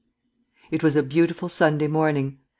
It was a beautiful Sunday morning.